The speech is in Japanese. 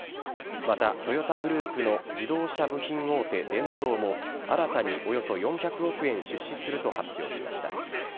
またトヨタグループの自動車部品大手、デンソーも、新たにおよそ４００億円出資すると発表しました。